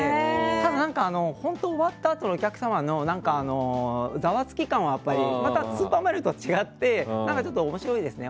ただ、終わったあとのお客様のざわつき感はまた「スーパーマリオ」とは違って面白いですね。